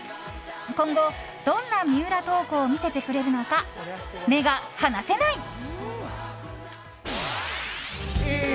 今後、どんな三浦透子さんを見せてくれるのか目が離せない。